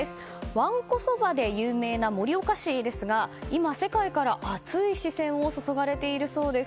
わんこそばで有名な盛岡市ですが今、世界から熱い視線を注がれているそうです。